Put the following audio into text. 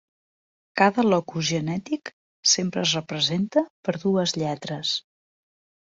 Cada locus genètic sempre es representa per dues lletres.